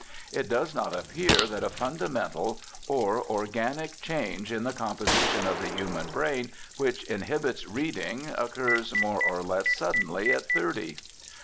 It does not appear that a fundamental or organic change in the composition of the human brain which inhibits reading occurs more or less suddenly at thirty.